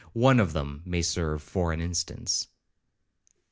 One of them may serve for an instance).